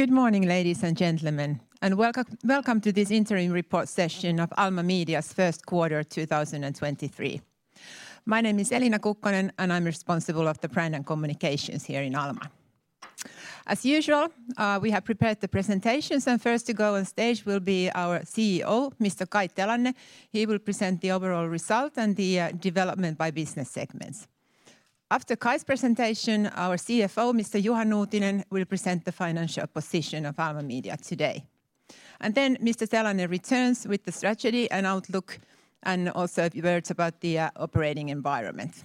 Good morning, ladies and gentlemen, welcome to this interim report session of Alma Media's first quarter 2023. My name is Elina Kukkonen, and I'm responsible of the brand and communications here in Alma. As usual, we have prepared the presentations, and first to go on stage will be our CEO, Mr. Kai Telanne. He will present the overall result and the development by business segments. After Kai's presentation, our CFO, Mr. Juha Nuutinen, will present the financial position of Alma Media today. Then Mr. Telanne returns with the strategy and outlook and also a few words about the operating environment.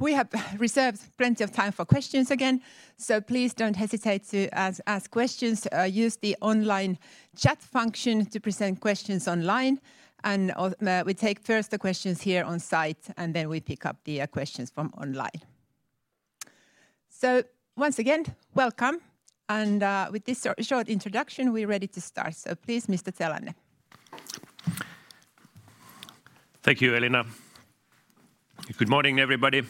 We have reserved plenty of time for questions again, so please don't hesitate to ask questions. Use the online chat function to present questions online and we take first the questions here on site, and then we pick up the questions from online. Once again, welcome and with this short introduction, we're ready to start. Please, Mr. Telanne. Thank you, Elina. Good morning, everybody.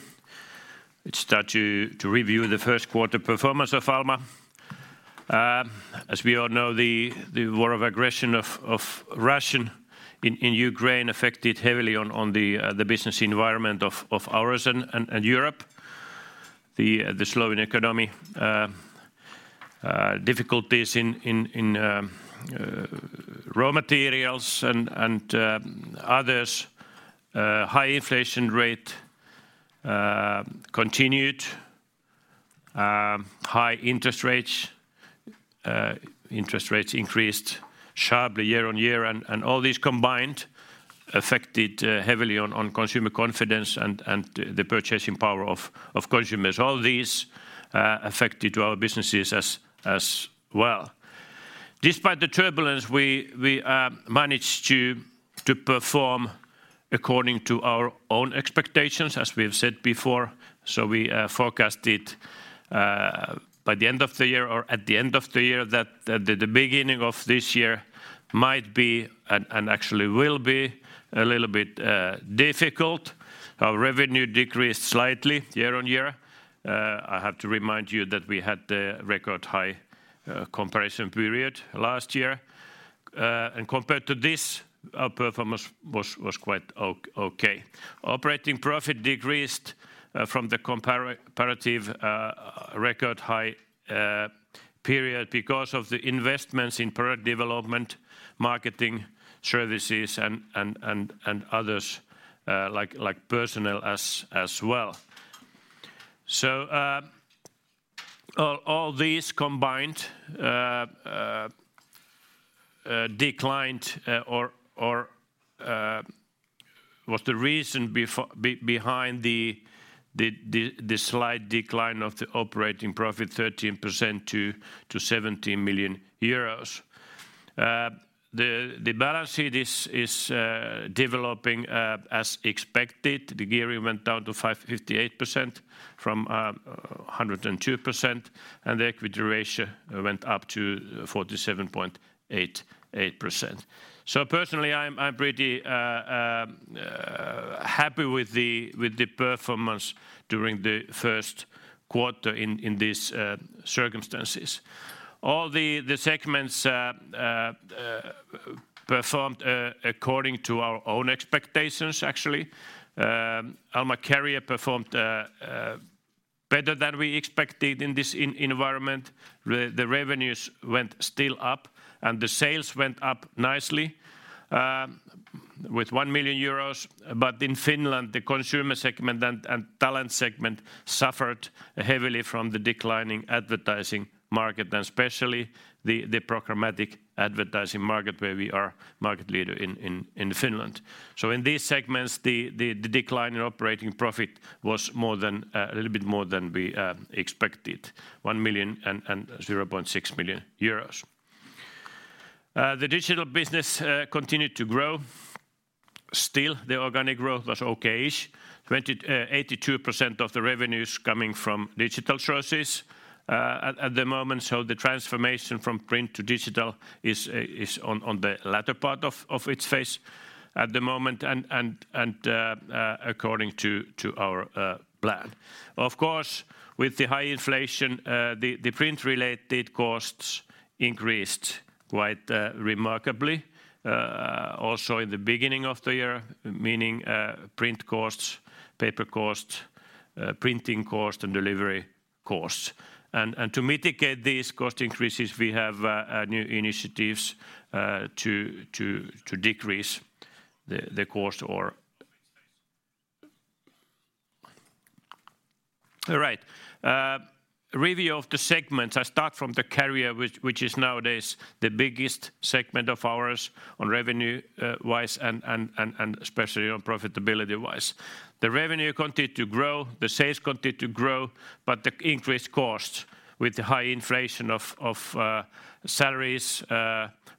Let's start to review the first quarter performance of Alma. As we all know, the war of aggression of Russian in Ukraine affected heavily on the business environment of ours and Europe. The slowing economy, difficulties in raw materials and others, high inflation rate continued, high interest rates. Interest rates increased sharply year-over-year and all these combined affected heavily on consumer confidence and the purchasing power of consumers. All these affected our businesses as well. Despite the turbulence, we managed to perform according to our own expectations, as we've said before. We forecasted by the end of the year or at the end of the year that the beginning of this year might be and actually will be a little bit difficult. Our revenue decreased slightly year-on-year. I have to remind you that we had the record high comparison period last year. Compared to this, our performance was quite okay. Operating profit decreased from the comparative record high period because of the investments in product development, marketing services and others, like personnel as well. All these combined declined or was the reason behind the slight decline of the operating profit 13% to 17 million euros. The balance sheet is developing as expected. The gearing went down to 58% from 102%, and the equity ratio went up to 47.88%. Personally I'm pretty happy with the performance during the first quarter in these circumstances. All the segments performed according to our own expectations actually. Alma Career performed better than we expected in this environment. The revenues went still up, and the sales went up nicely with 1 million euros. In Finland, the Consumer segment and Talent segment suffered heavily from the declining advertising market and especially the programmatic advertising market where we are market leader in Finland. In these segments, the decline in operating profit was more than a little bit more than we expected, 1 million and 0.6 million euros. The digital business continued to grow. Still the organic growth was okay-ish. 82% of the revenues coming from digital sources at the moment. The transformation from print to digital is on the latter part of its phase at the moment and according to our plan. Of course, with the high inflation, the print-related costs increased quite remarkably also in the beginning of the year, meaning print costs, paper costs, printing costs and delivery costs. To mitigate these cost increases, we have new initiatives to decrease the cost. All right. Review of the segments. I start from the Career which is nowadays the biggest segment of ours on revenue wise and especially on profitability wise. The revenue continued to grow, the sales continued to grow, but the increased costs with the high inflation of salaries,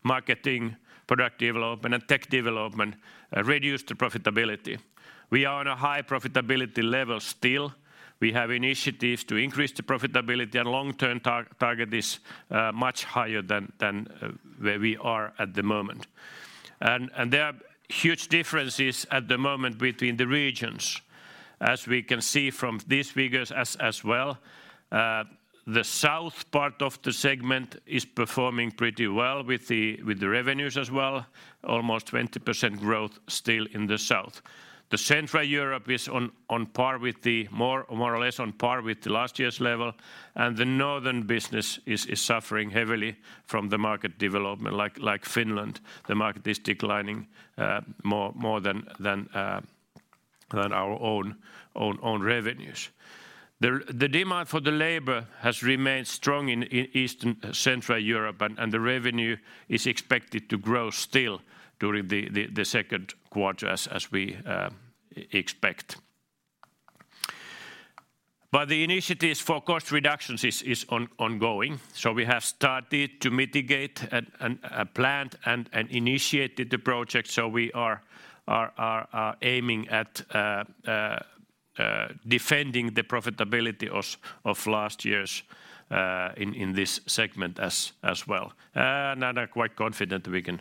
marketing, product development and tech development reduced the profitability. We are on a high profitability level still. We have initiatives to increase the profitability and long-term target is much higher than where we are at the moment. There are huge differences at the moment between the regions. As we can see from these figures as well, the south part of the segment is performing pretty well with the revenues as well, almost 20% growth still in the south. Central Europe is on par with the more or less on par with the last year's level. The northern business is suffering heavily from the market development like Finland. The market is declining more than our own revenues. The demand for the labor has remained strong in Eastern Central Europe. The revenue is expected to grow still during the second quarter as we expect. The initiatives for cost reductions is ongoing. We have started to mitigate and planned and initiated the project, so we are aiming at defending the profitability of last year's in this segment as well. I'm quite confident we can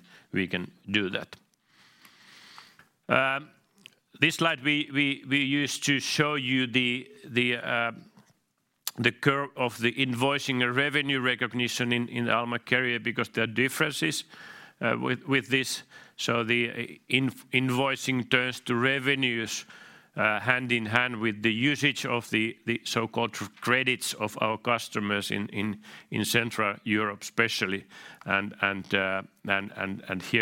do that. This slide we used to show you the curve of the invoicing revenue recognition in Alma Career because there are differences with this. The invoicing turns to revenues hand in hand with the usage of the so-called credits of our customers in Central Europe especially. Here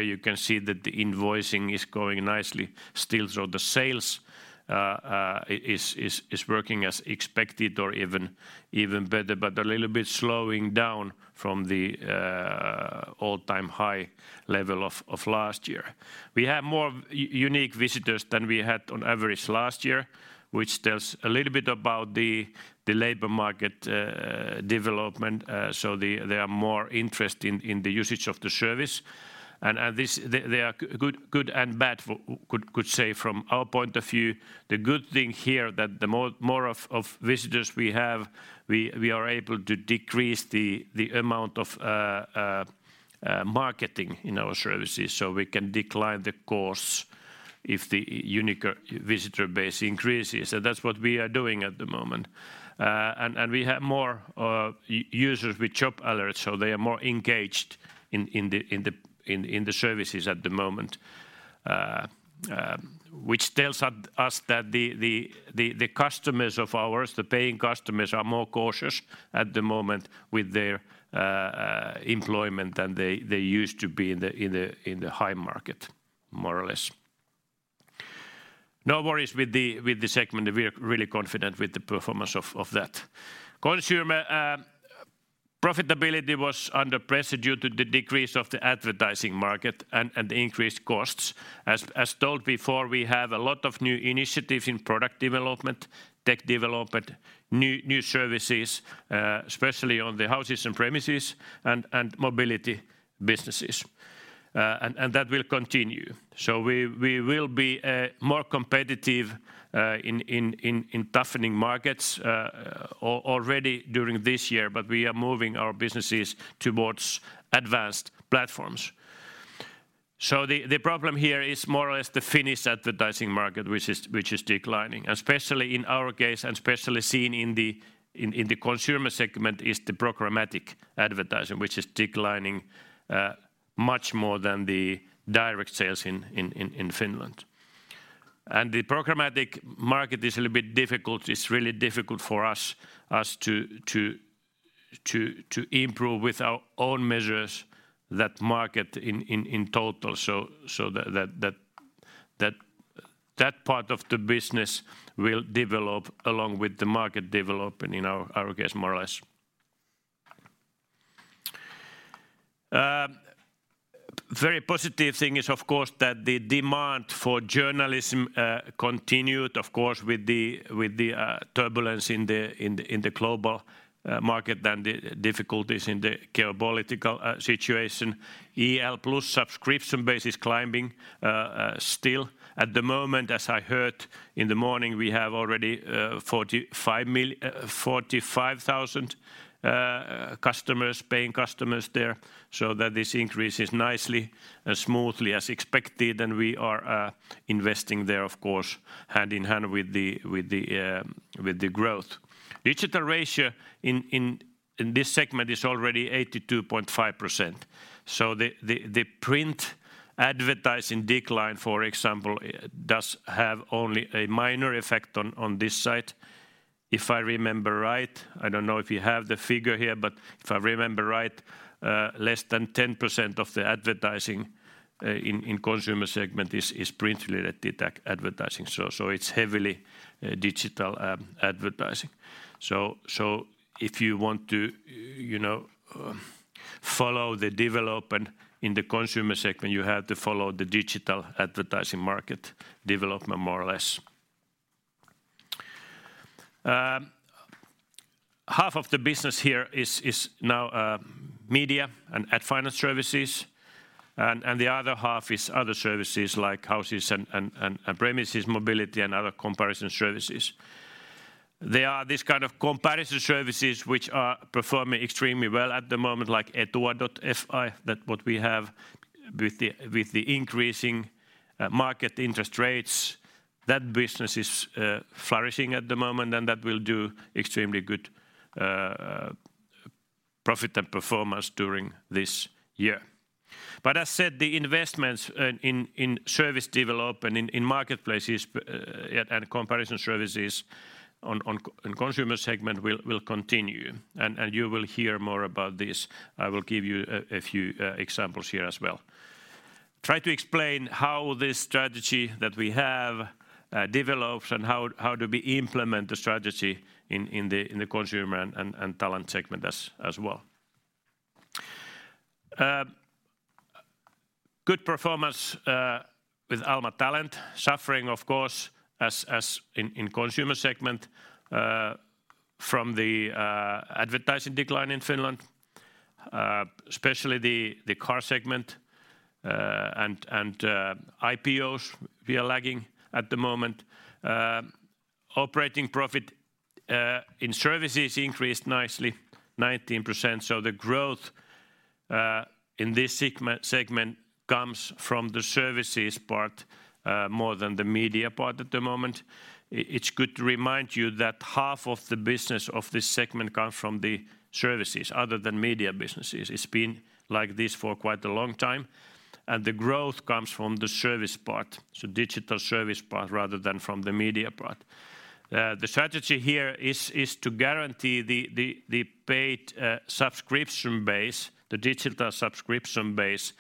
you can see that the invoicing is going nicely still. The sales is working as expected or even better, but a little bit slowing down from the all-time high level of last year. We have more unique visitors than we had on average last year, which tells a little bit about the labor market development. They are more interested in the usage of the service. They are good, could say from our point of view. The good thing here that the more of visitors we have, we are able to decrease the amount of marketing in our services, so we can decline the costs if the unique visitor base increases. That's what we are doing at the moment. We have more users with job alerts, so they are more engaged in the services at the moment. Which tells us that the customers of ours, the paying customers are more cautious at the moment with their employment than they used to be in the high market, more or less. No worries with the segment. We are really confident with the performance of that. Consumer profitability was under pressure due to the decrease of the advertising market and increased costs. As told before, we have a lot of new initiatives in product development, tech development, new services, especially on the houses and premises and mobility businesses. That will continue. We will be more competitive in toughening markets already during this year, but we are moving our businesses towards advanced platforms. The problem here is more or less the Finnish advertising market, which is declining, especially in our case and especially seen in the Consumer segment is the programmatic advertising, which is declining much more than the direct sales in Finland. The programmatic market is a little bit difficult. It's really difficult for us to improve with our own measures that market in total. That part of the business will develop along with the market development in our case, more or less. Very positive thing is, of course, that the demand for journalism continued, of course, with the turbulence in the global market than the difficulties in the geopolitical situation. Iltalehti Plus subscription base is climbing still. At the moment, as I heard in the morning, we have already 45,000 customers, paying customers there, so that this increases nicely and smoothly as expected, and we are investing there, of course, hand in hand with the growth. Digital ratio in this segment is already 82.5%. The print advertising decline, for example, does have only a minor effect on this side. If I remember right, I don't know if you have the figure here, but if I remember right, less than 10% of the advertising in Consumer segment is print-related advertising. It's heavily digital advertising. If you want to, you know, follow the development in the Consumer segment, you have to follow the digital advertising market development more or less. Half of the business here is now media and ad finance services, and the other half is other services like houses and premises mobility and other comparison services. There are this kind of comparison services which are performing extremely well at the moment like Etua.fi that what we have with the increasing market interest rates. That business is flourishing at the moment and that will do extremely good profit and performance during this year. As said, the investments in service development, in marketplaces, and comparison services on Consumer segment will continue and you will hear more about this. I will give you a few examples here as well. Try to explain how this strategy that we have develops and how do we implement the strategy in the Consumer and Talent segment as well. Good performance with Alma Talent. Suffering of course as in Consumer segment from the advertising decline in Finland, especially the car segment, and IPOs we are lagging at the moment. Operating profit in services increased nicely 19%, so the growth in this segment comes from the services part more than the media part at the moment. It's good to remind you that half of the business of this segment comes from the services other than media businesses. It's been like this for quite a long time and the growth comes from the service part, so digital service part rather than from the media part. The strategy here is to guarantee the paid subscription base, the digital subscription base,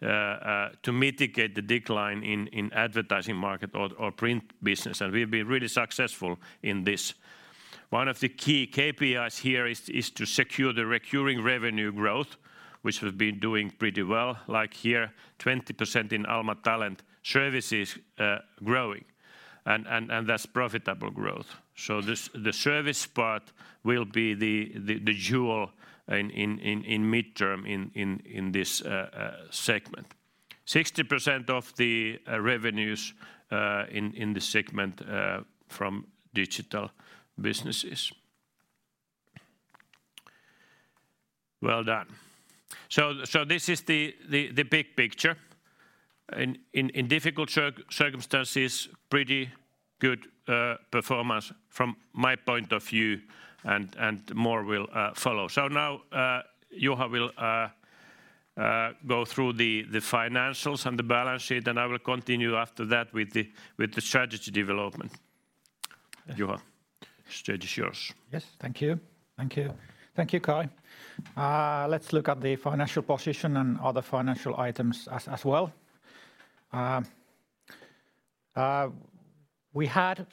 to mitigate the decline in advertising market or print business, and we've been really successful in this. One of the key KPIs here is to secure the recurring revenue growth which we've been doing pretty well like here 20% in Alma Talent services, growing and that's profitable growth. The service part will be the jewel in midterm in this segment. 60% of the revenues in this segment from digital businesses. Well done. This is the big picture. In difficult circumstances pretty good performance from my point of view and more will follow. Now Juha will go through the financials and the balance sheet, and I will continue after that with the strategy development. Juha, the stage is yours. Yes, thank you. Thank you. Thank you, Kai. Let's look at the financial position and other financial items as well. We had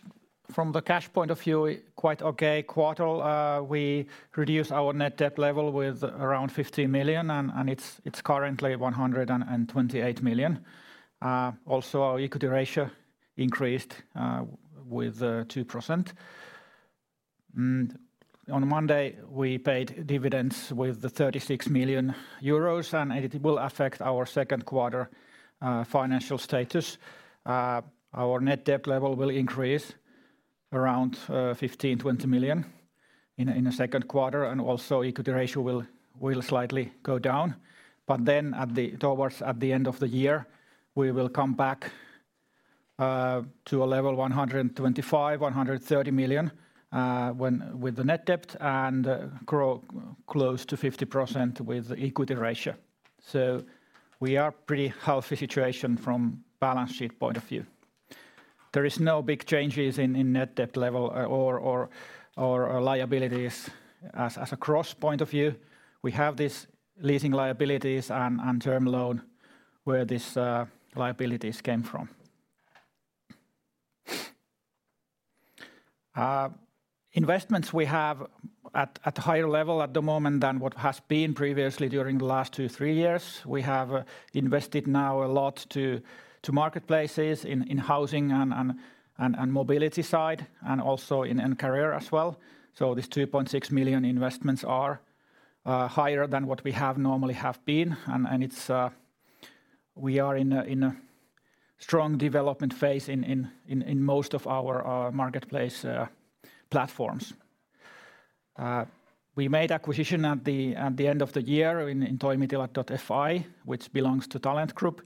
from the cash point of view quite okay quarter. We reduced our net debt level with around 15 million and it's currently 128 million. Also our equity ratio increased with 2%. On Monday we paid dividends with 36 million euros and it will affect our second quarter financial status. Our net debt level will increase around 15 million-20 million in the second quarter, and also equity ratio will slightly go down. Towards at the end of the year, we will come back to a level 125 million-130 million when with the net debt and grow close to 50% with equity ratio. We are pretty healthy situation from balance sheet point of view. There is no big changes in net debt level or liabilities as a cross point of view. We have this leasing liabilities and term loan where this liabilities came from. Investments we have at higher level at the moment than what has been previously during the last two, three years. We have invested now a lot to marketplaces in housing and mobility side and also in career as well. These 2.6 million investments are higher than what we have normally have been, we are in a strong development phase in most of our marketplace platforms. We made acquisition at the end of the year in Toimitilat.fi which belongs to Talent Group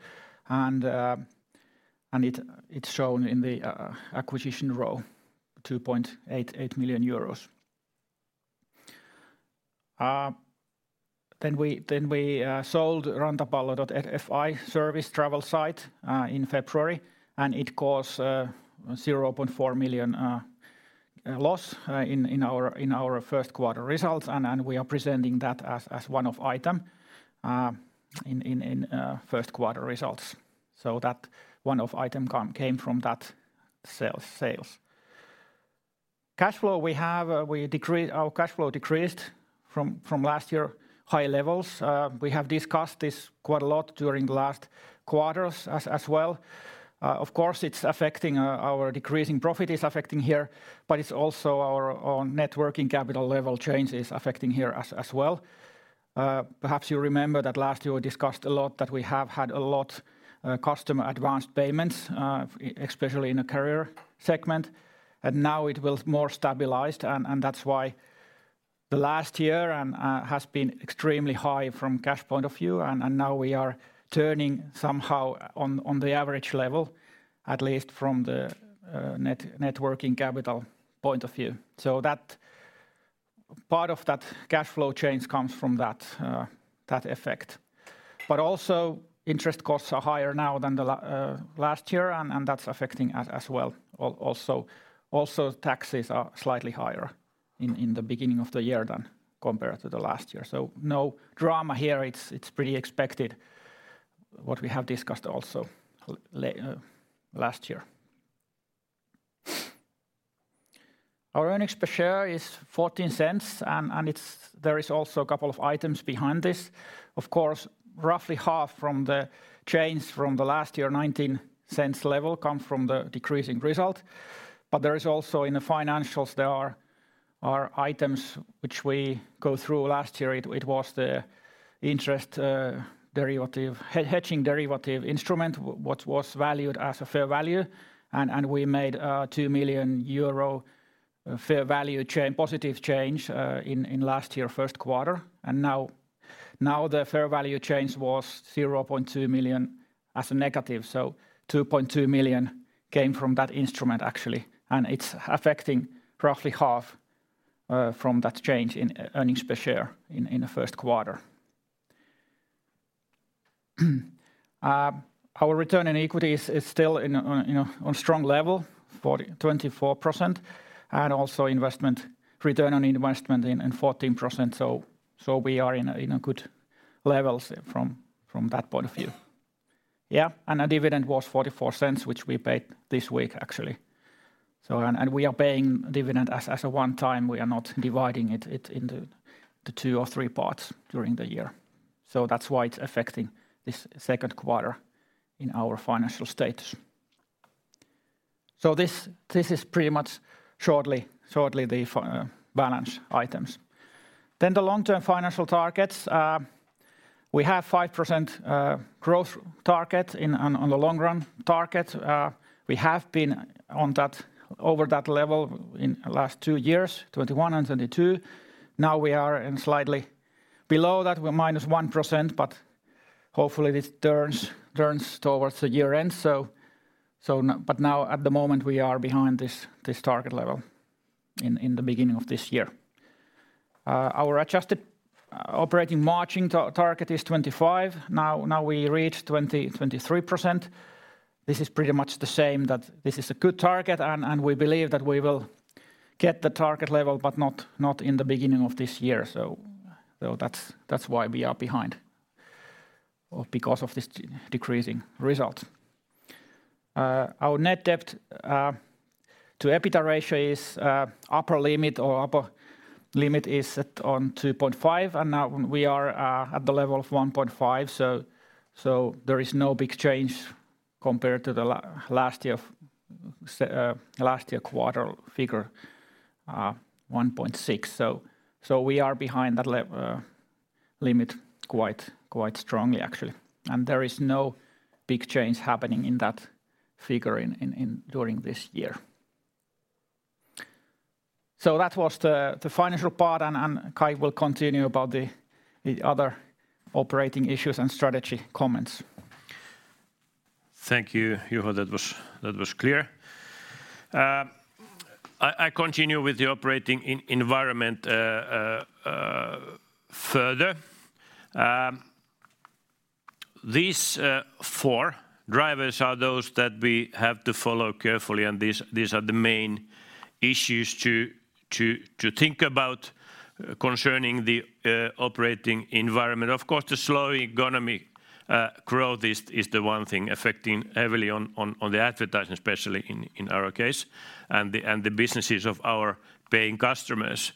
and it's shown in the acquisition row 2.88 million euros. We sold Rantapallo.fi service travel site in February, and it cost 0.4 million loss in our first quarter results, and we are presenting that as one of item in first quarter results. That one of item came from that sales. Cash flow we have, our cash flow decreased from last year high levels. We have discussed this quite a lot during the last quarters as well. Of course it's affecting, our decreasing profit is affecting here, but it's also our net working capital level changes affecting here as well. Perhaps you remember that last year we discussed a lot that we have had a lot, customer advanced payments, especially in the Career segment. Now it will more stabilized and that's why the last year has been extremely high from cash point of view and now we are turning somehow on the average level, at least from the net working capital point of view. That part of that cash flow change comes from that effect. Also interest costs are higher now than last year and that's affecting as well. Also taxes are slightly higher in the beginning of the year than compared to last year. No drama here, it's pretty expected what we have discussed also last year. Our earnings per share is 0.14 there is also a couple of items behind this. Of course, roughly half from the change from last year 0.19 level come from the decreasing result, but there is also in the financials, there are items which we go through. Last year it was the interest hedging derivative instrument what was valued as a fair value and we made 2 million euro fair value positive change in last year first quarter. Now the fair value change was 0.2 million as a negative. 2.2 million came from that instrument actually, and it's affecting roughly half from that change in earnings per share in the first quarter. Our return on equity is still in, you know, on strong level, 24%, and also return on investment in 14%. We are in a good levels from that point of view. Yeah, and our dividend was 0.44, which we paid this week actually. And we are paying dividend as a one-time. We are not dividing it into two or three parts during the year. That's why it's affecting this second quarter in our financial status. This is pretty much shortly the balance items. The long-term financial targets, we have 5% growth target in on the long run target. We have been over that level in last two years, 2021 and 2022. Now we are in slightly below that. We're -1%, but hopefully this turns towards the year-end. Now at the moment, we are behind this target level in the beginning of this year. Our adjusted operating margin target is 25%. Now we reach 23%. This is pretty much the same that this is a good target and we believe that we will get the target level, but not in the beginning of this year. That's why we are behind because of this decreasing result. Our net debt to EBITDA ratio is upper limit or upper limit is set on 2.5, now we are at the level of 1.5. There is no big change compared to the last year quarter figure, 1.6. We are behind that limit quite strongly actually, there is no big change happening in that figure during this year. That was the financial part and Kai will continue about the other operating issues and strategy comments. Thank you, Juha. That was clear. I continue with the operating environment further. These four drivers are those that we have to follow carefully and these are the main issues to think about concerning the operating environment. Of course, the slowing economy growth is the one thing affecting heavily on the advertising especially in our case, and the businesses of our paying customers.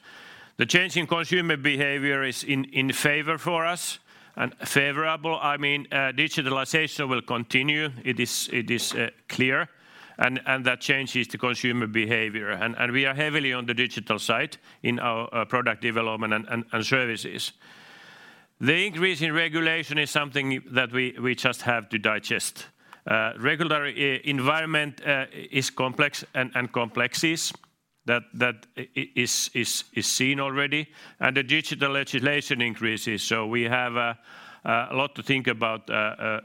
The change in consumer behavior is in favor for us and favorable. I mean, digitalization will continue. It is clear, and that changes the consumer behavior. We are heavily on the digital side in our product development and services. The increase in regulation is something that we just have to digest. Regulatory e-environment is complex and complexes that is seen already and the digital legislation increases, so we have a lot to think about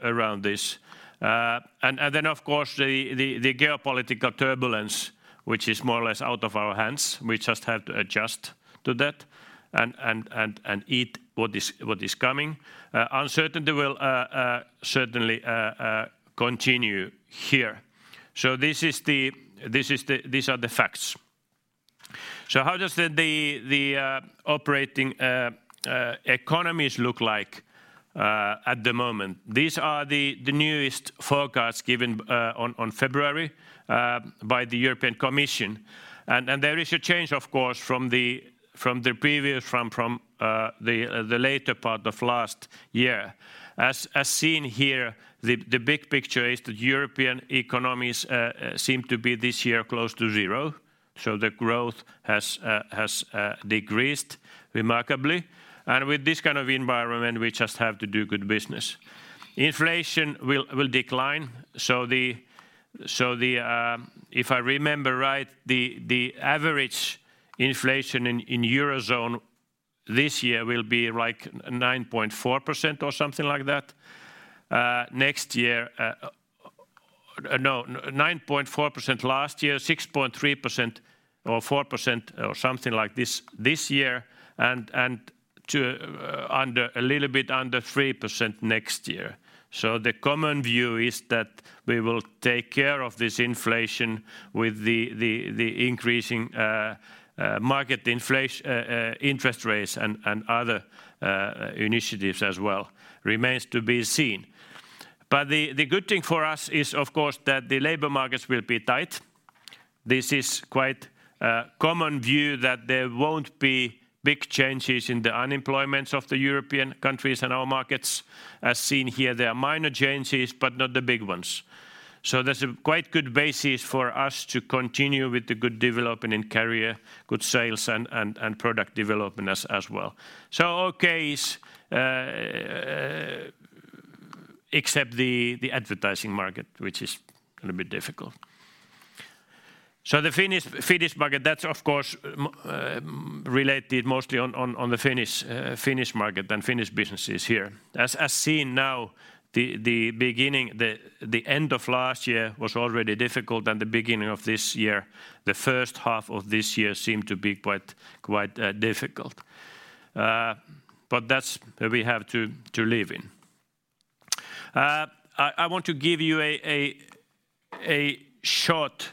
around this. Of course the geopolitical turbulence, which is more or less out of our hands, we just have to adjust to that and eat what is coming. Uncertainty will certainly continue here. This is the these are the facts. How does the operating economies look like at the moment? These are the newest forecasts given on February by the European Commission. There is a change of course from the previous frame from the later part of last year. As seen here, the big picture is the European economies seem to be this year close to zero. The growth has decreased remarkably. With this kind of environment, we just have to do good business. Inflation will decline. If I remember right, the average inflation in Eurozone this year will be like 9.4% or something like that. Next year, no, 9.4% last year, 6.3% or 4% or something like this this year, and to under, a little bit under 3% next year. The common view is that we will take care of this inflation with the increasing interest rates and other initiatives as well. Remains to be seen. The good thing for us is, of course, that the labor markets will be tight. This is quite common view that there won't be big changes in the unemployment of the European countries and our markets. As seen here, there are minor changes, but not the big ones. There's a quite good basis for us to continue with the good development in Career, good sales and product development as well. All okay is except the advertising market, which is gonna be difficult. The Finnish market, that's of course, related mostly on the Finnish market than Finnish businesses here. As seen now, the beginning, the end of last year was already difficult, and the beginning of this year, the first half of this year seemed to be quite difficult. That's we have to live in. I want to give you a short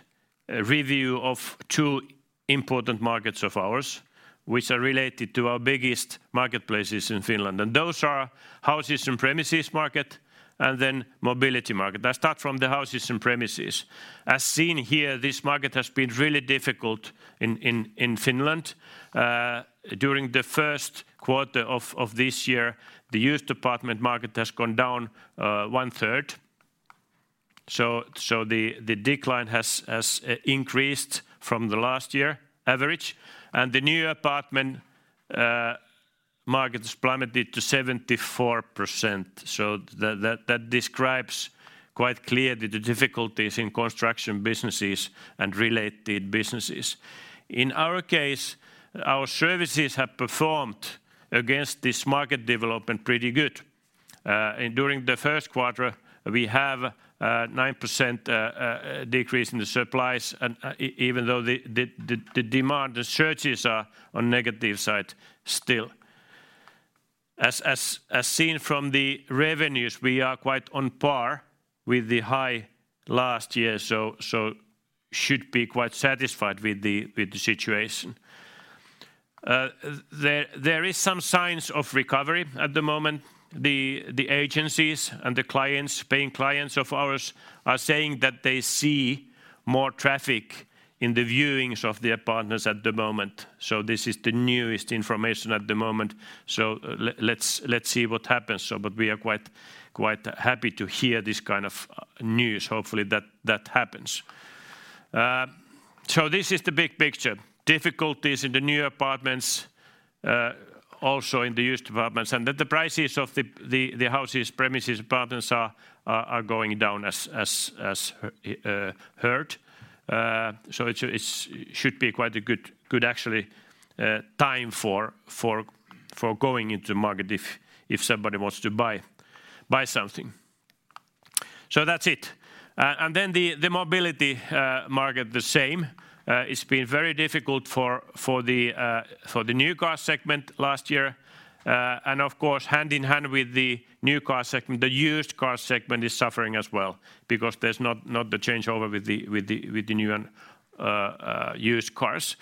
review of two important markets of ours, which are related to our biggest marketplaces in Finland, and those are houses and premises market and then mobility market. I start from the houses and premises. As seen here, this market has been really difficult in Finland. During the first quarter of this year, the used department market has gone down, 1/3. The decline has increased from the last year average, and the new apartment markets plummeted to 74%. That describes quite clearly the difficulties in construction businesses and related businesses. In our case, our services have performed against this market development pretty good. During the first quarter, we have 9% decrease in the supplies, even though the demand, the searches are on negative side still. As seen from the revenues, we are quite on par with the high last year, so should be quite satisfied with the situation. There is some signs of recovery at the moment. The agencies and the clients, paying clients of ours are saying that they see more traffic in the viewings of the apartments at the moment. This is the newest information at the moment. Let's see what happens. We are quite happy to hear this kind of news. Hopefully that happens. This is the big picture. Difficulties in the new apartments, also in the used apartments, and that the prices of the houses, premises, apartments are going down as heard. It should be quite a good actually, time for going into market if somebody wants to buy something. That's it. Then the mobility market the same. It's been very difficult for the new car segment last year. Of course, hand in hand with the new car segment, the used car segment is suffering as well because there's not the changeover with the new and used cars.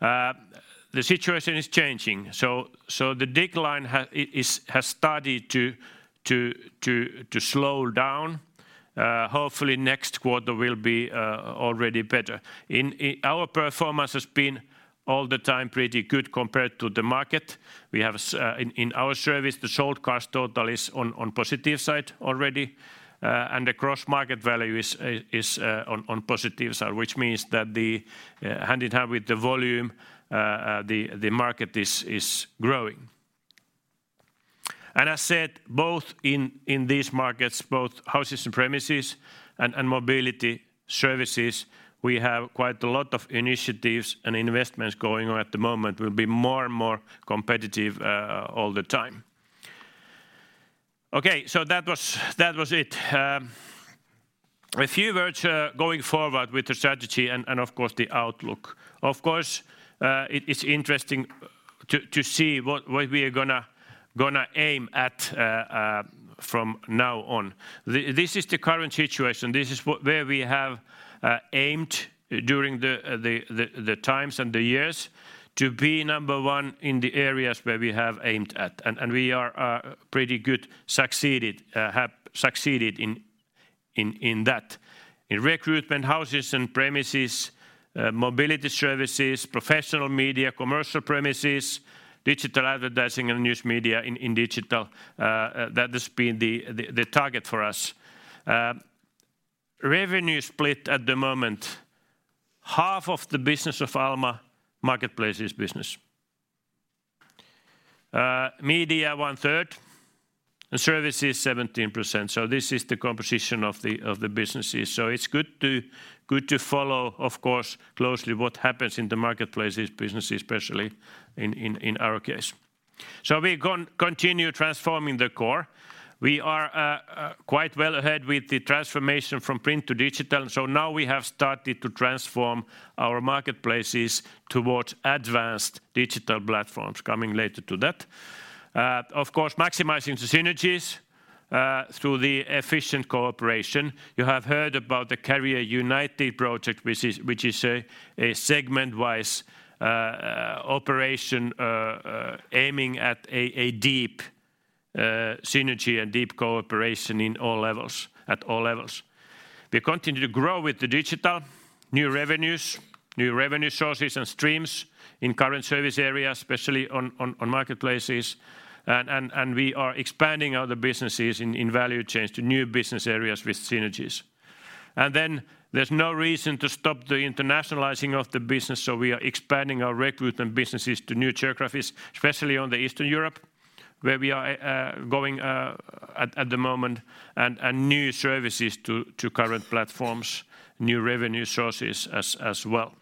The situation is changing. The decline has started to slow down. Hopefully next quarter will be already better. Our performance has been all the time pretty good compared to the market. In our service, the sold cars total is on positive side already. The gross market value is on positive side, which means that the hand in hand with the volume, the market is growing. I said both in these markets, both houses and premises and mobility services, we have quite a lot of initiatives and investments going on at the moment. We'll be more and more competitive all the time. That was it. A few words going forward with the strategy and of course the outlook. Of course, it is interesting to see what we are gonna aim at from now on. This is the current situation. This is where we have aimed during the times and the years to be number one in the areas where we have aimed at. We have succeeded in that. In recruitment, houses and premises, mobility services, professional media, commercial premises, digital advertising and news media in digital. That has been the target for us. Revenue split at the moment, half of the business of Alma marketplaces is business. Media 1/3, and services 17%. This is the composition of the, of the businesses. It's good to, good to follow, of course, closely what happens in the marketplaces business, especially in, in our case. We continue transforming the core. We are quite well ahead with the transformation from print to digital, so now we have started to transform our marketplaces towards advanced digital platforms. Coming later to that. Of course, maximizing the synergies through the efficient cooperation. You have heard about the Career United project which is, which is a segment-wise operation aiming at a deep synergy and deep cooperation at all levels. We continue to grow with the digital. New revenues, new revenue sources and streams in current service areas, especially on, on marketplaces. We are expanding other businesses in value chains to new business areas with synergies. There's no reason to stop the internationalizing of the business, so we are expanding our recruitment businesses to new geographies, especially on the Eastern Europe, where we are going at the moment, and new services to current platforms, new revenue sources as well.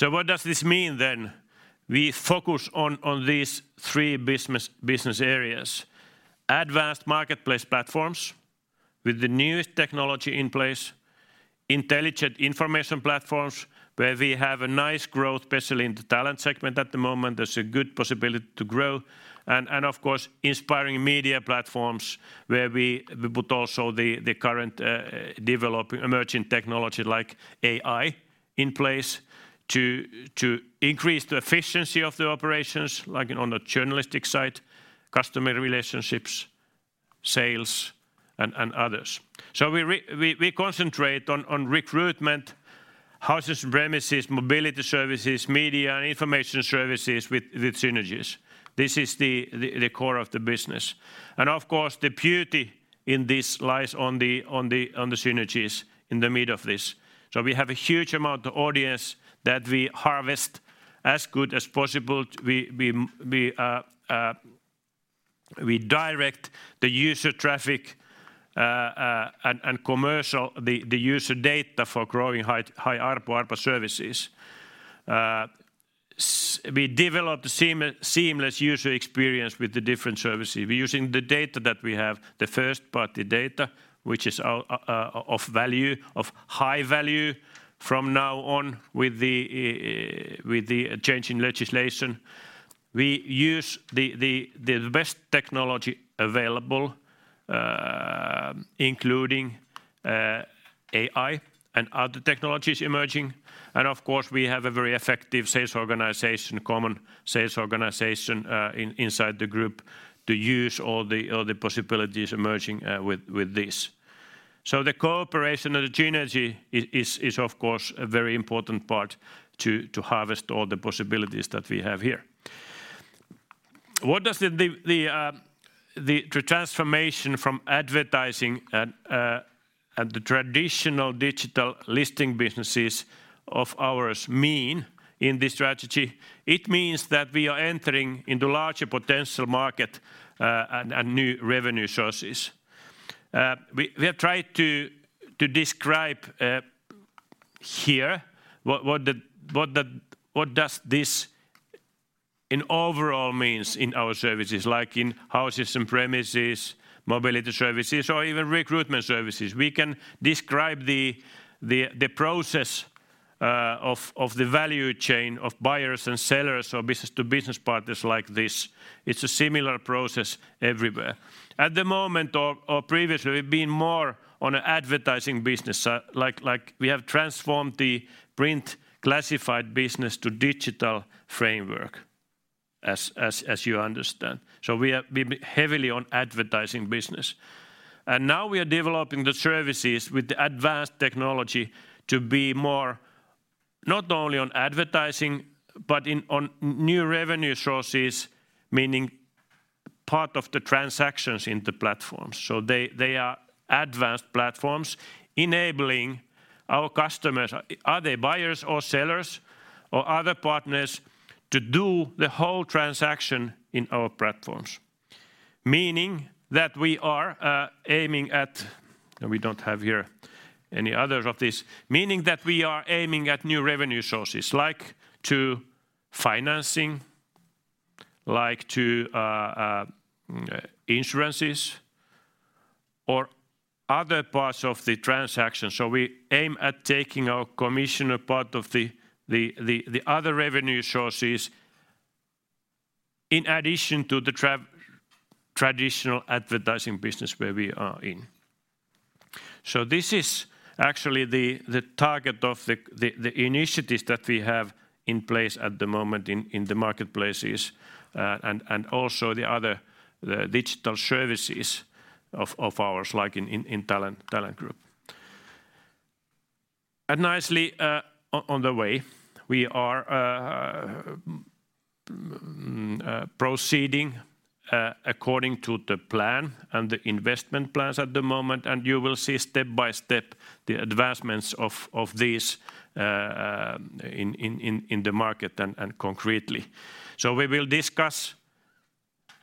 What does this mean then? We focus on these three business areas. Advanced marketplace platforms with the newest technology in place. Intelligent information platforms where we have a nice growth, especially in the Talent segment at the moment. There's a good possibility to grow. And of course, inspiring media platforms where we put also the current developing emerging technology like AI in place to increase the efficiency of the operations, like on the journalistic side, customer relationships, sales, and others. We concentrate on recruitment, houses and premises, mobility services, media and information services with synergies. This is the core of the business. Of course, the beauty in this lies on the synergies in the mid of this. We have a huge amount of audience that we harvest as good as possible. We direct the user traffic and commercial the user data for growing high ARPU services. We develop seamless user experience with the different services. We're using the data that we have, the first-party data, which is of value, of high value from now on with the change in legislation. We use the best technology available, including AI and other technologies emerging. Of course, we have a very effective sales organization, common sales organization, inside the group to use all the possibilities emerging with this. The cooperation and the synergy is of course a very important part to harvest all the possibilities that we have here. What does the transformation from advertising and the traditional digital listing businesses of ours mean in this strategy? It means that we are entering into larger potential market and new revenue sources. We have tried to describe here what this in overall means in our services, like in houses and premises, mobility services, or even recruitment services. We can describe the process of the value chain of buyers and sellers or business-to-business partners like this. It's a similar process everywhere. At the moment or previously, we've been more on advertising business. Like we have transformed the print classified business to digital framework as you understand. We've been heavily on advertising business. Now we are developing the services with the advanced technology to be more not only on advertising, but on new revenue sources, meaning part of the transactions in the platforms. They are advanced platforms enabling our customers, are they buyers or sellers or other partners, to do the whole transaction in our platforms. Meaning that we are aiming at... We don't have here any others of this. Meaning that we are aiming at new revenue sources, like to financing, like to insurances or other parts of the transaction. We aim at taking our commission a part of the other revenue sources in addition to the traditional advertising business where we are in. This is actually the target of the initiatives that we have in place at the moment in the marketplaces, and also the digital services of ours, like in Talent Group. Nicely on the way, we are proceeding according to the plan and the investment plans at the moment, and you will see step by step the advancements of these in the market and concretely. We will discuss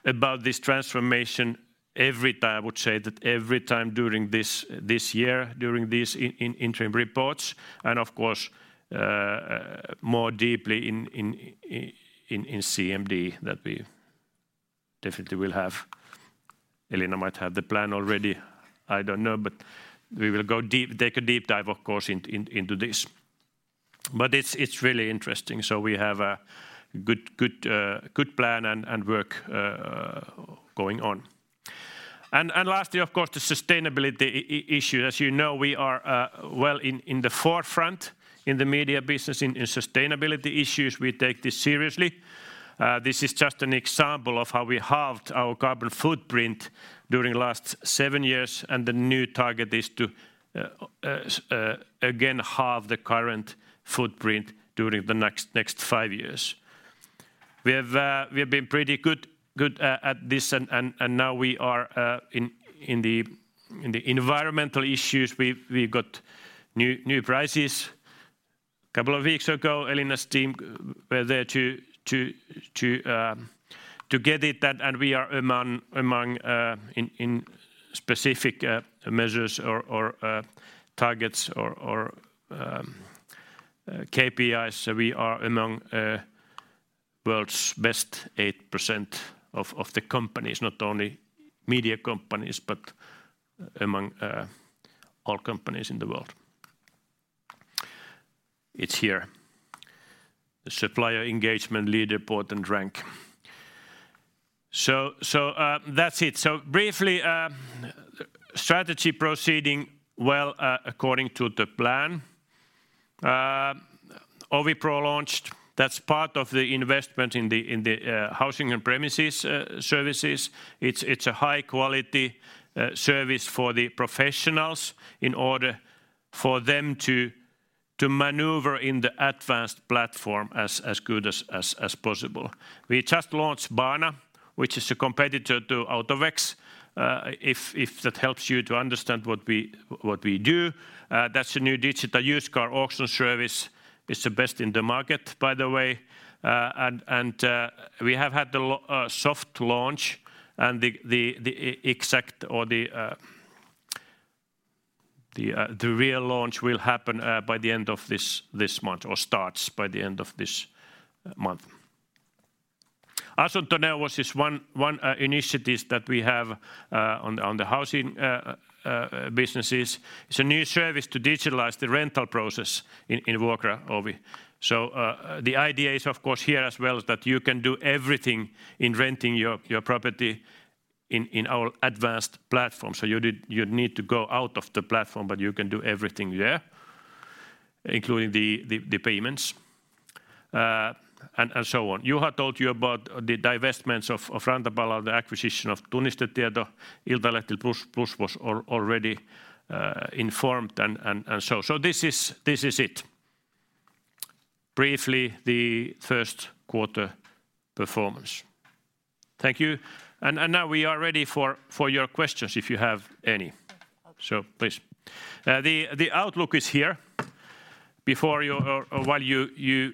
about this transformation every time. I would say that every time during this year, during these interim reports, and of course, more deeply in CMD, that we definitely will have. Elina might have the plan already, I don't know. We will take a deep dive of course into this. It's really interesting. We have a good plan and work going on. Lastly of course the sustainability issue. As you know, we are well in the forefront in the media business in sustainability issues. We take this seriously. This is just an example of how we halved our carbon footprint during last seven years and the new target is to again, halve the current footprint during the next five years. We have been pretty good at this and now we are in the environmental issues we've got new prizes. Couple of weeks ago, Elina's team were there to get it and we are among in specific measures or targets or KPIs we are among world's best 8% of the companies, not only media companies, but among all companies in the world. It's here. The Supplier Engagement Leaderboard and Rank. That's it. Briefly, strategy proceeding well according to the plan. OviPro launched. That's part of the investment in the housing and premises services. It's a high quality service for the professionals in order for them to maneuver in the advanced platform as good as possible. We just launched Baana, which is a competitor to Autovex, if that helps you to understand what we do. That's a new digital used car auction service. It's the best in the market, by the way. We have had the soft launch and the exact or the real launch will happen by the end of this month or starts by the end of this month. [inaudible] was this one initiatives that we have on the housing businesses. It's a new service to digitalize the rental process in Vuokraovi. The idea is of course here as well is that you can do everything in renting your property in our advanced platform. You need to go out of the platform, but you can do everything there including the payments and so on. Juha told you about the divestments of Rantapallo, the acquisition of Tunnistetieto. Iltalehti Plus was already informed and so this is it. Briefly the first quarter performance. Thank you. Now we are ready for your questions if you have any. Okay. Please. The outlook is here. Before you or while you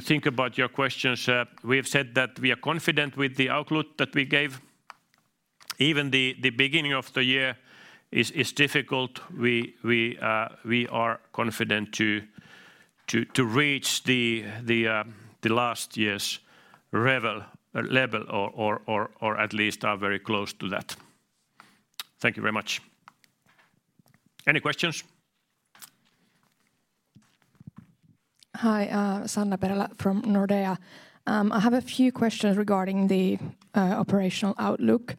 think about your questions, we've said that we are confident with the outlook that we gave. Even the beginning of the year is difficult. We are confident to reach the last year's level or at least are very close to that. Thank you very much. Any questions? Hi, Sanna Perälä from Nordea. I have a few questions regarding the operational outlook.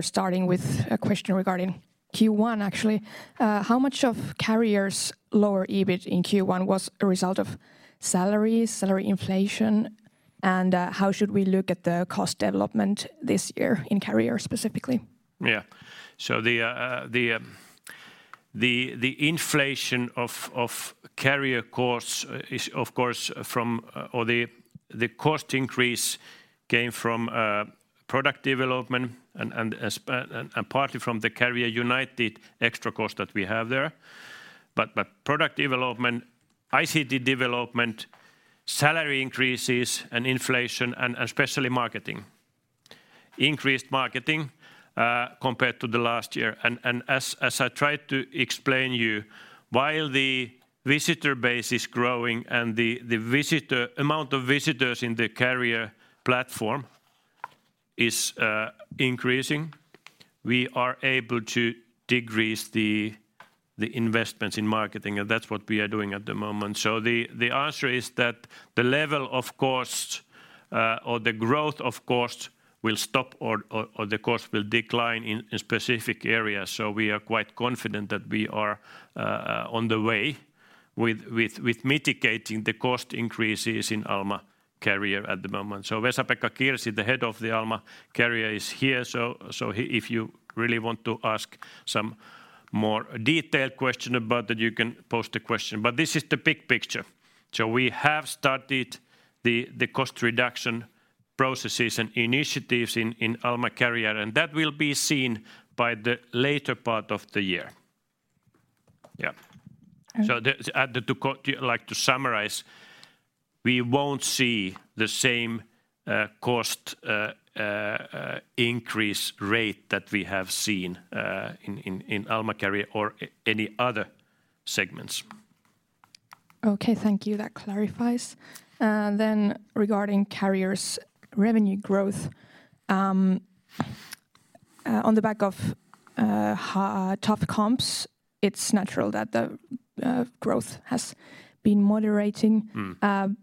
Starting with a question regarding Q1 actually. How much of Career's lower EBIT in Q1 was a result of salaries, salary inflation? How should we look at the cost development this year in Career specifically? The inflation of Career costs is of course from product development and as and partly from the Career United extra cost that we have there. Product development, ICT development, salary increases and inflation and especially marketing. Increased marketing compared to the last year and as I tried to explain you, while the visitor base is growing and the amount of visitors in the Career platform is increasing, we are able to decrease the investments in marketing and that's what we are doing at the moment. The answer is that the level of cost or the growth of cost will stop or the cost will decline in specific areas. We are quite confident that we are on the way with mitigating the cost increases in Alma Career at the moment. Vesa-Pekka Kirsi, the head of Alma Career is here. If you really want to ask some more detailed question about that you can post a question. This is the big picture. We have started the cost reduction-Processes and initiatives in Alma Career, and that will be seen by the later part of the year. Yeah. All right. Like, to summarize, we won't see the same cost increase rate that we have seen in Alma Career or any other segments. Okay, thank you. That clarifies. Regarding Career's revenue growth, on the back of tough comps, it's natural that the growth has been moderating. Mm.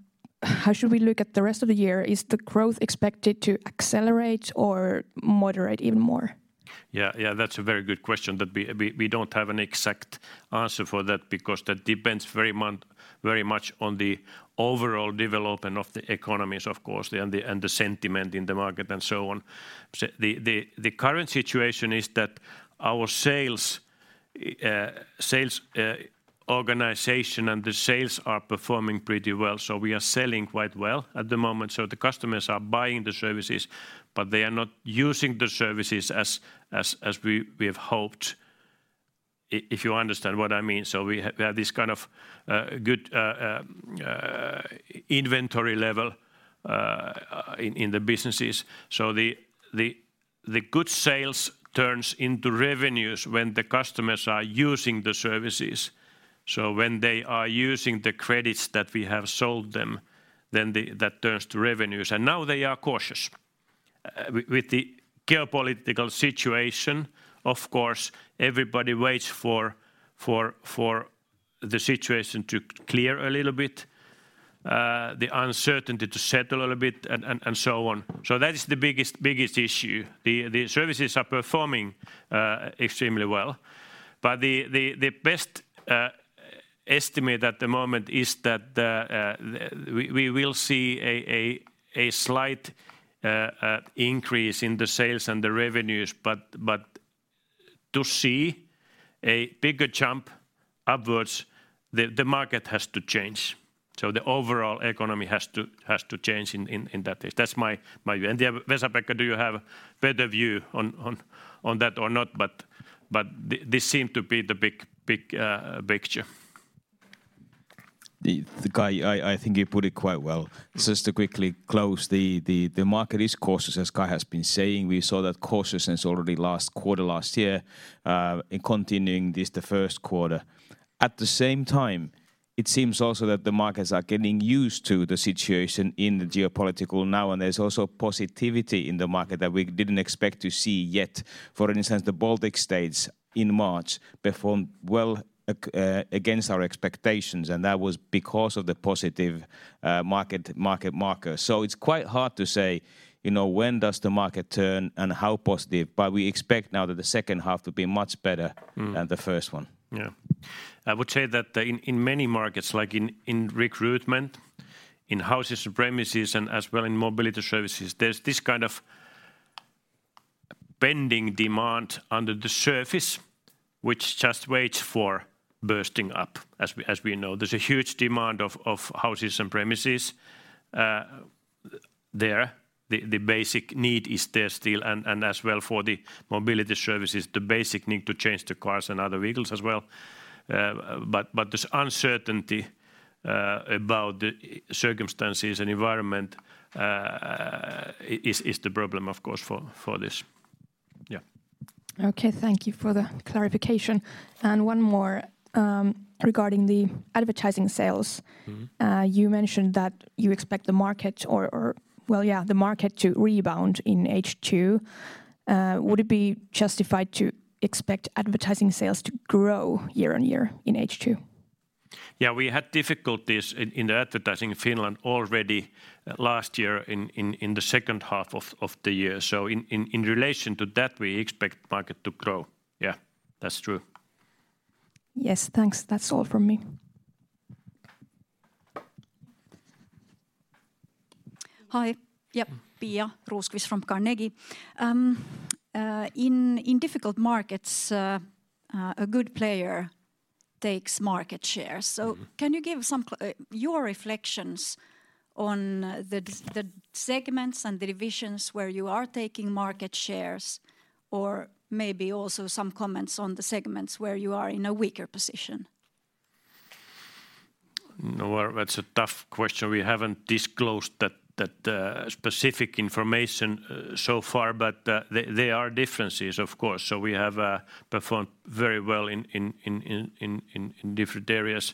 How should we look at the rest of the year? Is the growth expected to accelerate or moderate even more? Yeah, that's a very good question that we don't have an exact answer for that because that depends very much on the overall development of the economies, of course, and the sentiment in the market and so on. The current situation is that our sales organization and the sales are performing pretty well, we are selling quite well at the moment. The customers are buying the services, but they are not using the services as we have hoped, if you understand what I mean. We have this kind of good inventory level in the businesses. The good sales turns into revenues when the customers are using the services. When they are using the credits that we have sold them, that turns to revenues. Now they are cautious. With the geopolitical situation, of course, everybody waits for the situation to clear a little bit, the uncertainty to settle a bit and so on. That is the biggest issue. The services are performing extremely well, but the best estimate at the moment is that we will see a slight increase in the sales and the revenues, but to see a bigger jump upwards, the market has to change. The overall economy has to change in that case. That's my view. Vesa-Pekka, do you have better view on that or not? This seem to be the big, big picture. Kai, I think you put it quite well. Just to quickly close, the market is cautious, as Kai has been saying. We saw that cautiousness already last quarter last year, and continuing this, the first quarter. At the same time, it seems also that the markets are getting used to the situation in the geopolitical now, and there's also positivity in the market that we didn't expect to see yet. For instance, the Baltic States in March performed well against our expectations, and that was because of the positive market markers. It's quite hard to say, you know, when does the market turn and how positive, but we expect now that the second half to be much better. Mm... than the first one. Yeah. I would say that the in many markets like in recruitment, in houses and premises, and as well in mobility services, there's this kind of pending demand under the surface which just waits for bursting up, as we, as we know. There's a huge demand of houses and premises there. The basic need is there still and as well for the mobility services, the basic need to change the cars and other vehicles as well. But this uncertainty about the circumstances and environment is the problem of course for this. Yeah. Okay, thank you for the clarification. One more regarding the advertising sales. Mm-hmm. You mentioned that you expect the market to rebound in H2. Would it be justified to expect advertising sales to grow year-on-year in H2? Yeah. We had difficulties in the advertising Finland already last year in the second half of the year. In relation to that, we expect market to grow. Yeah, that's true. Yes. Thanks. That's all from me. Hi. Yeah. Mm. Pia Rosqvist from Carnegie. In difficult markets, a good player takes market share. Mm-hmm. Can you give your reflections on the segments and the divisions where you are taking market shares or maybe also some comments on the segments where you are in a weaker position? No, that's a tough question. We haven't disclosed that specific information so far, but there are differences of course. We have performed very well in different areas.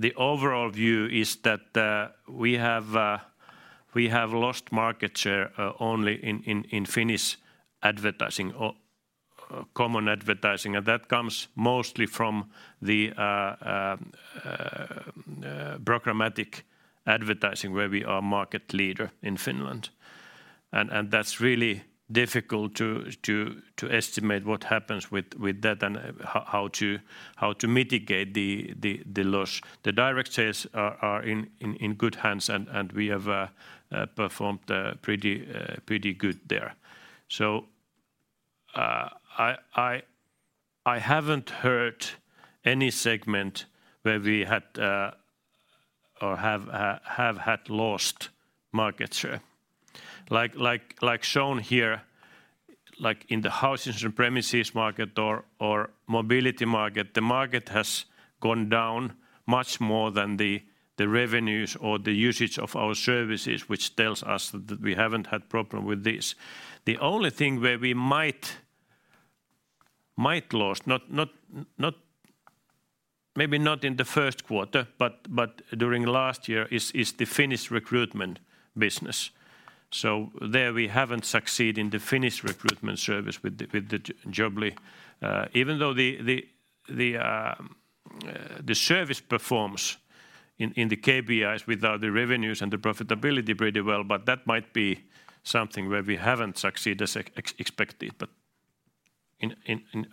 The overall view is that we have lost market share only in Finnish advertising or common advertising, and that comes mostly from the programmatic advertising where we are market leader in Finland. And that's really difficult to estimate what happens with that and how to mitigate the loss. The direct sales are in good hands and we have performed pretty good there. I haven't heard any segment where we had or have had lost market share. Like shown here, like in the houses and premises market or mobility market, the market has gone down much more than the revenues or the usage of our services, which tells us that we haven't had problem with this. The only thing where we might lose, maybe not in the first quarter, but during last year is the Finnish recruitment business. There we haven't succeed in the Finnish recruitment service with the Jobly. Even though the service performs in the KPIs without the revenues and the profitability pretty well, but that might be something where we haven't succeeded as expected. In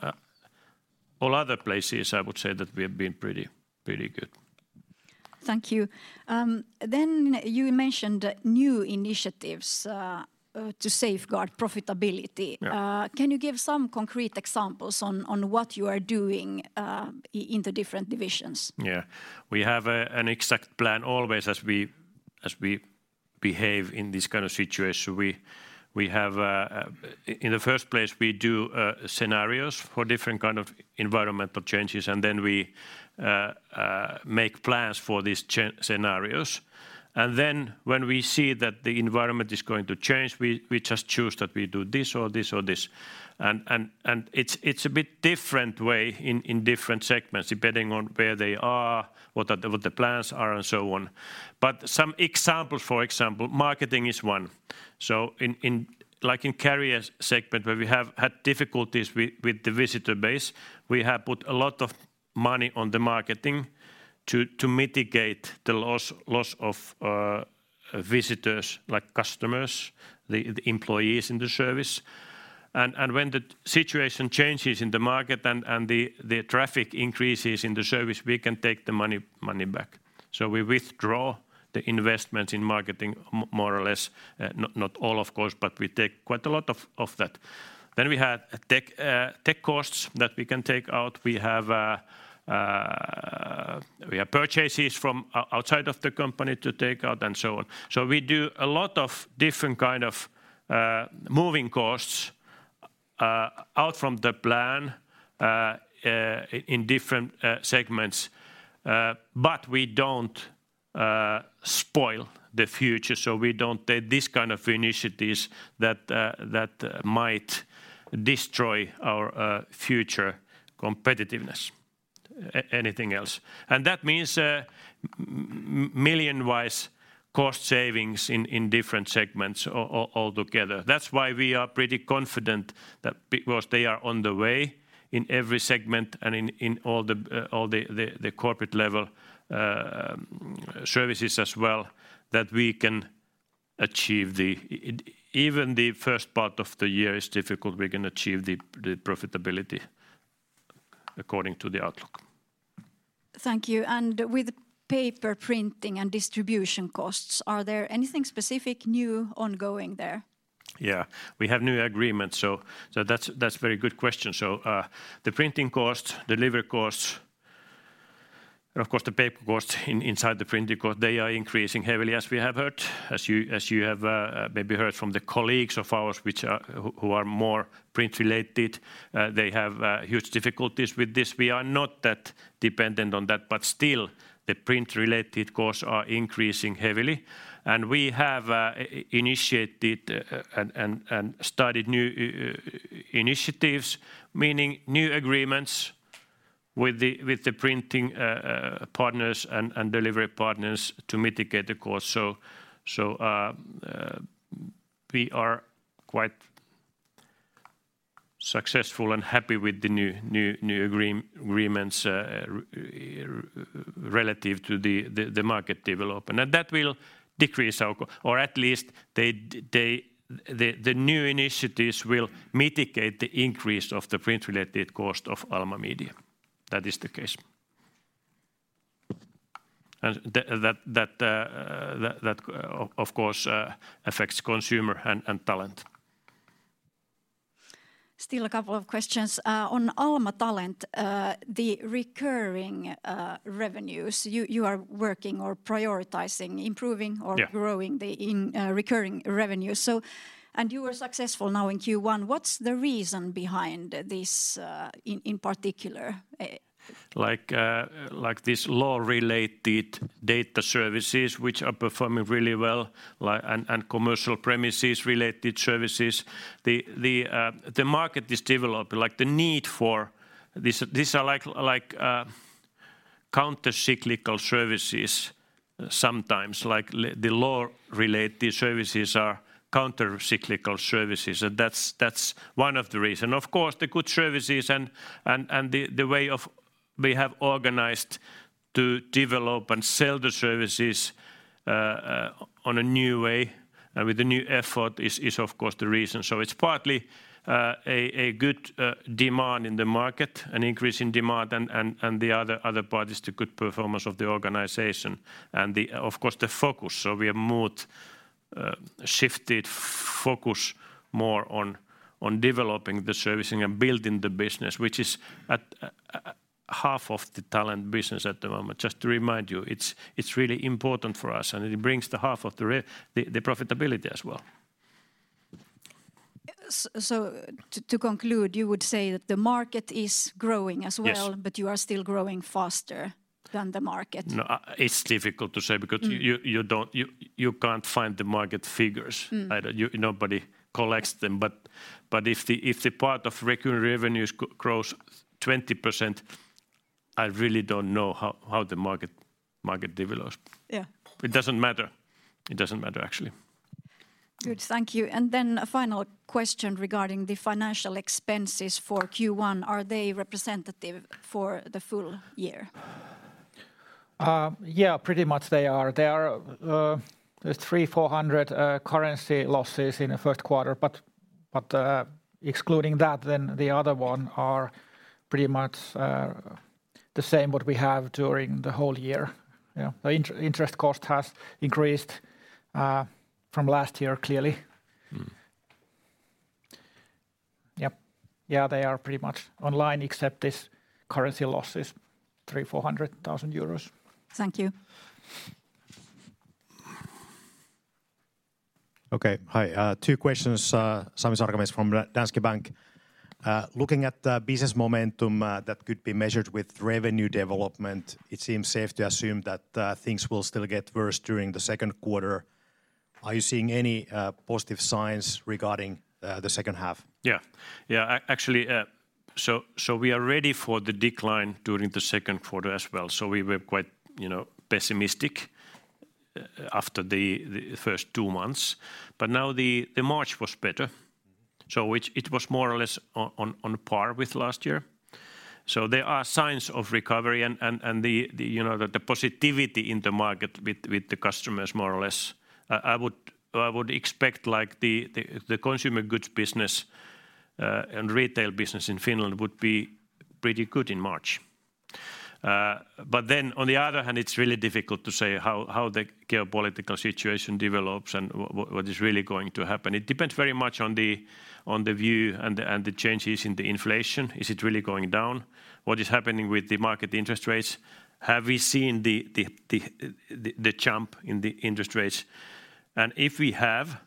all other places, I would say that we have been pretty good. Thank you. You mentioned new initiatives to safeguard profitability. Yeah. Can you give some concrete examples on what you are doing in the different divisions? We have an exact plan always as we behave in this kind of situation. We have in the first place, we do scenarios for different kind of environmental changes, then we make plans for these scenarios. When we see that the environment is going to change, we just choose that we do this or this or this. It's a bit different way in different segments, depending on where they are, what the plans are, and so on. Some examples, for example, marketing is one. In, like in Career segment, where we have had difficulties with the visitor base, we have put a lot of money on the marketing to mitigate the loss of visitors like customers, the employees in the service. When the situation changes in the market and the traffic increases in the service, we can take the money back. We withdraw the investment in marketing more or less, not all of course, but we take quite a lot of that. We have tech costs that we can take out. We have purchases from outside of the company to take out and so on. We do a lot of different kind of moving costs out from the plan in different segments. But we don't spoil the future, so we don't take this kind of initiatives that might destroy our future competitiveness. Anything else. That means million-wise cost savings in different segments altogether. That's why we are pretty confident that because they are on the way in every segment and in all the corporate level services as well, even the first part of the year is difficult, we can achieve the profitability according to the outlook. Thank you. With paper printing and distribution costs, are there anything specific new ongoing there? Yeah. We have new agreements, that's very good question. The printing costs, delivery costs, and of course the paper costs inside the printing cost, they are increasing heavily as we have heard. As you have maybe heard from the colleagues of ours which are who are more print-related, they have huge difficulties with this. We are not that dependent on that, but still the print-related costs are increasing heavily. We have initiated and started new initiatives, meaning new agreements with the printing partners and delivery partners to mitigate the cost. We are quite successful and happy with the new agreements relative to the market development. That will decrease our Or at least they they... The new initiatives will mitigate the increase of the print-related cost of Alma Media. That is the case. That, of course, affects Consumer and Talent. Still a couple of questions. On Alma Talent, the recurring revenues, you are working or prioritizing, improving? Yeah... growing the in recurring revenues. You were successful now in Q1. What's the reason behind this in particular? This law-related data services, which are performing really well, and commercial premises-related services, the market is developing, the need for these are like counter-cyclical services sometimes. The law-related services are counter-cyclical services, and that's one of the reason. Of course, the good services and the way of we have organized to develop and sell the services on a new way and with a new effort is of course the reason. It's partly a good demand in the market, an increase in demand, and the other part is the good performance of the organization and, of course, the focus. We have moved shifted focus more on developing the servicing and building the business, which is at half of the Talent business at the moment, just to remind you. It's really important for us, and it brings the half of the profitability as well. To conclude, you would say that the market is growing as well? Yes You are still growing faster than the market? No, it's difficult to say because. Mm... you don't, you can't find the market figures. Mm. Either nobody collects them. If the part of recurring revenues grows 20%, I really don't know how the market develops. Yeah. It doesn't matter. It doesn't matter, actually. Good. Thank you. A final question regarding the financial expenses for Q1. Are they representative for the full year? Yeah, pretty much they are. They are, there's 300,000-400,000 currency losses in the first quarter. Excluding that, the other one are pretty much the same what we have during the whole year. Yeah. The interest cost has increased from last year clearly. Mm. Yep. Yeah, they are pretty much online except this currency losses, 300,000-400,000 euros. Thank you. Okay. Hi, two questions. Sami Sarkamies from Danske Bank. Looking at the business momentum, that could be measured with revenue development, it seems safe to assume that things will still get worse during the second quarter. Are you seeing any positive signs regarding the second half? Yeah. Yeah, actually, we are ready for the decline during the second quarter as well. We were quite, you know, pessimistic, after the first two months. Now the March was better. Mm-hmm. It was more or less on par with last year. There are signs of recovery and the, you know, positivity in the market with the customers more or less. I would expect like the consumer goods business and retail business in Finland would be pretty good in March. On the other hand, it's really difficult to say how the geopolitical situation develops and what is really going to happen. It depends very much on the view and the changes in the inflation. Is it really going down? What is happening with the market interest rates? Have we seen the jump in the interest rates? If we have,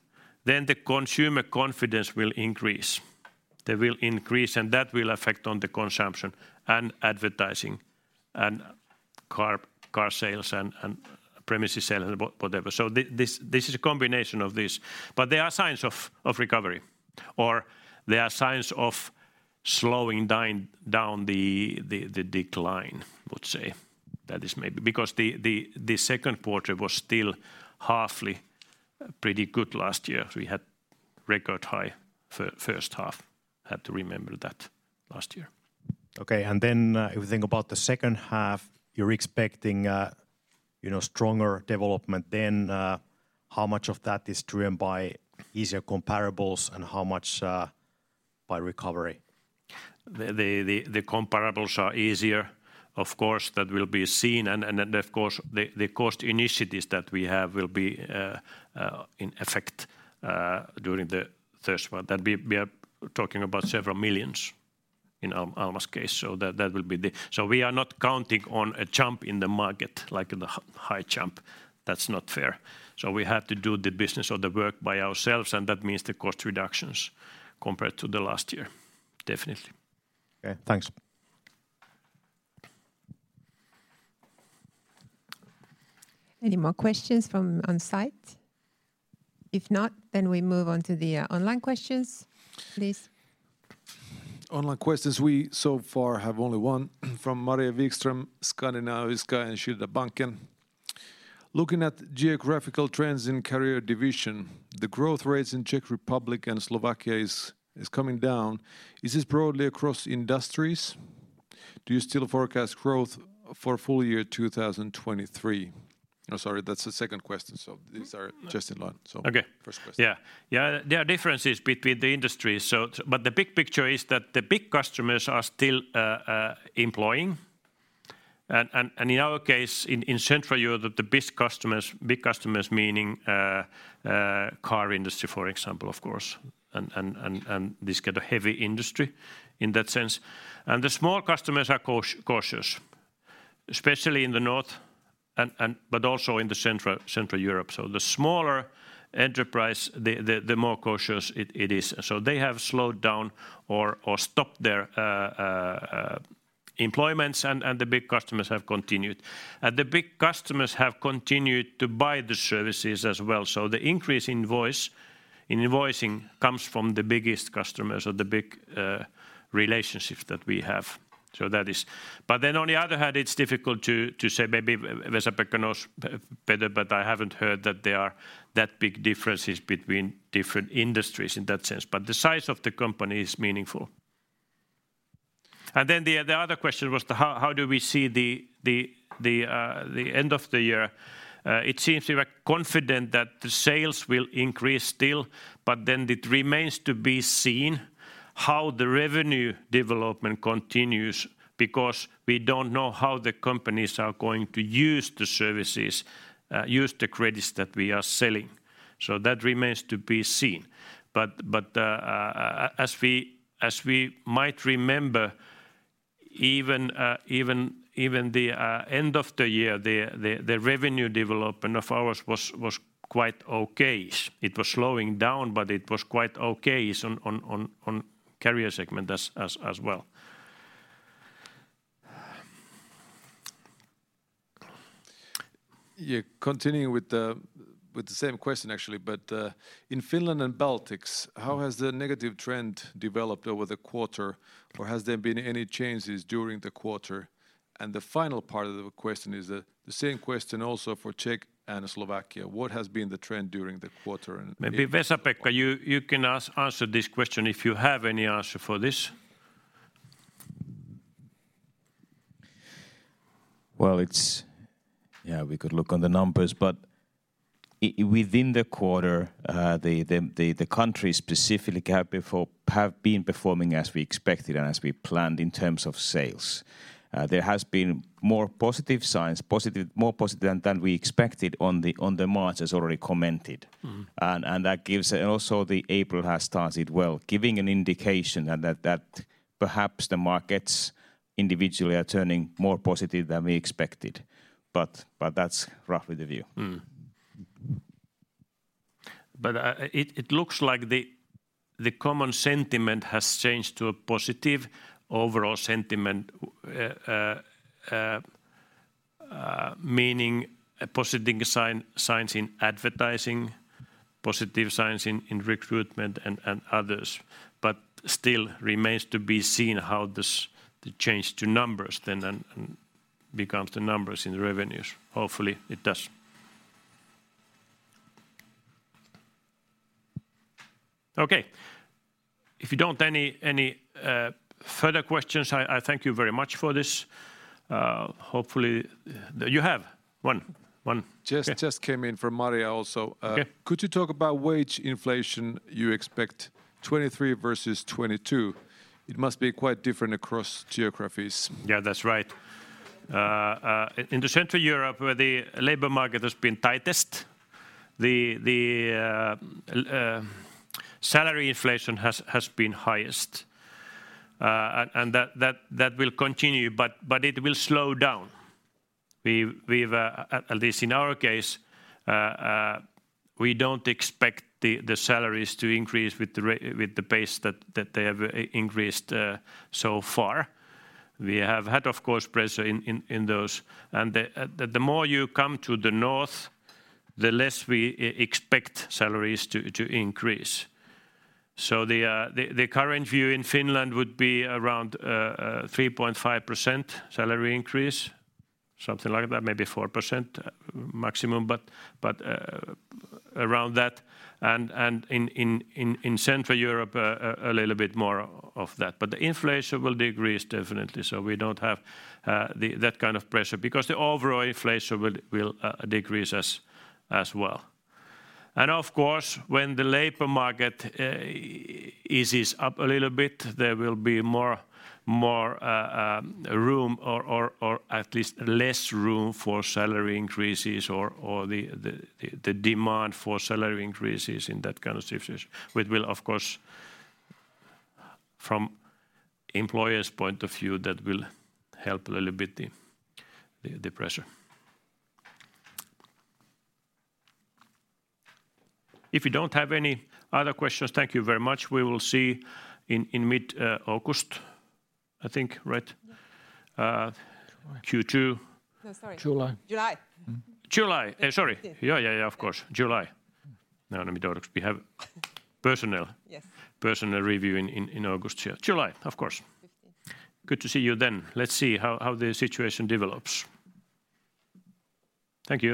then the consumer confidence will increase. They will increase, and that will affect on the consumption and advertising and car sales and premises sale and whatever. This is a combination of this. There are signs of recovery, or there are signs of slowing down the decline, let's say. That is maybe. Because the second quarter was still halfway pretty good last year. We had record high first half. Had to remember that last year. Okay. If we think about the second half, you're expecting, you know, stronger development then, how much of that is driven by easier comparables and how much by recovery? The comparables are easier. Of course, that will be seen. Of course the cost initiatives that we have will be in effect during the first one. That we are talking about several millions in Alma's case. That will be the. We are not counting on a jump in the market, like in the high jump. That's not fair. We have to do the business or the work by ourselves, and that means the cost reductions compared to the last year, definitely. Okay, thanks. Any more questions from on site? If not, we move on to the online questions, please. Online questions, we so far have only one from Maria Wikström, Skandinaviska Enskilda Banken. Looking at geographical trends in Alma Career division, the growth rates in Czech Republic and Slovakia is coming down. Is this broadly across industries? Do you still forecast growth for full year 2023? Oh, sorry, that's the second question. These are just in line. Okay first question. Yeah. There are differences between the industries. The big picture is that the big customers are still employing. In our case, in Central Europe, the big customers, big customers meaning car industry, for example, of course, and this kind of heavy industry in that sense. The small customers are cautious, especially in the North and but also in Central Europe. The smaller enterprise, the more cautious it is. They have slowed down or stopped their employments, and the big customers have continued. The big customers have continued to buy the services as well. The increase in invoicing comes from the biggest customers or the big relationships that we have. That is... On the other hand, it's difficult to say maybe Vesa-Pekka knows better, but I haven't heard that there are that big differences between different industries in that sense. The size of the company is meaningful. The other question was how do we see the end of the year? It seems we are confident that the sales will increase still, but then it remains to be seen how the revenue development continues because we don't know how the companies are going to use the services, use the credits that we are selling. That remains to be seen. As we might remember even the end of the year, the revenue development of ours was quite okay. It was slowing down, but it was quite okay on Career segment as well. You continue with the same question actually, but, in Finland and Baltics. Mm... how has the negative trend developed over the quarter or has there been any changes during the quarter? The final part of the question is the same question also for Czech and Slovakia. What has been the trend during the quarter? Maybe Vesa-Pekka, you can answer this question if you have any answer for this. Well, it's. Yeah, we could look on the numbers. Within the quarter, the country specifically have been performing as we expected and as we planned in terms of sales. There has been more positive signs, more positive than we expected on the March as already commented. Mm-hmm. Also the April has started well, giving an indication and that perhaps the markets individually are turning more positive than we expected, but that's roughly the view. Mm. It looks like the common sentiment has changed to a positive overall sentiment, meaning positive signs in advertising, positive signs in recruitment and others. Still remains to be seen how this, the change to numbers then and becomes the numbers in the revenues. Hopefully, it does. Okay. If you don't any further questions, I thank you very much for this. Hopefully, you have one. Just came in from Maria also. Okay. Could you talk about wage inflation you expect 2023 versus 2022? It must be quite different across geographies. Yeah, that's right. In Central Europe, where the labor market has been tightest, the salary inflation has been highest. That will continue but it will slow down. We've at least in our case, we don't expect the salaries to increase with the pace that they have increased so far. We have had, of course, pressure in those. The more you come to the north, the less we expect salaries to increase. The current view in Finland would be around 3.5% salary increase, something like that, maybe 4% maximum, but around that. In Central Europe, a little bit more of that. The inflation will decrease definitely, so we don't have that kind of pressure because the overall inflation will decrease as well. Of course, when the labor market eases up a little bit, there will be more room or at least less room for salary increases or the demand for salary increases in that kind of situation, which will of course from employer's point of view, that will help a little bit the pressure. If you don't have any other questions, thank you very much. We will see in mid-August, I think, right? Q2. No, sorry. July. July. July. sorry. Yeah, of course. July. let me do it because we have personnel- Yes personnel review in August. Yeah, July, of course. 15th. Good to see you. Let's see how the situation develops. Thank you.